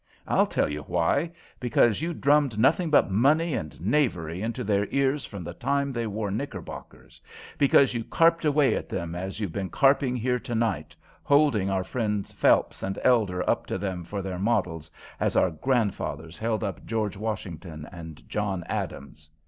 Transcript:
"I'll tell you why. Because you drummed nothing but money and knavery into their ears from the time they wore knickerbockers; because you carped away at them as you've been carping here tonight, holding our friends Phelps and Elder up to them for their models, as our grandfathers held up George Washington and John Adams.